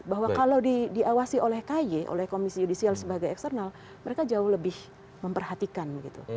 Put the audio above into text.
bahwa kalau diawasi oleh ky oleh komisi yudisial sebagai eksternal mereka jauh lebih memperhatikan gitu